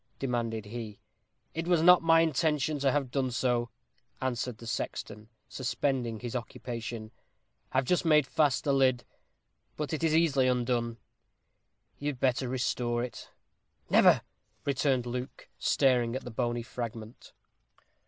demanded he. "It was not my intention to have done so," answered the sexton, suspending his occupation. "I have just made fast the lid, but it is easily undone. You had better restore it." "Never," returned Luke, staring at the bony fragment.